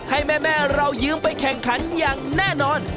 ให้แม่เรายืมไปแข่งขันอย่างแน่นอน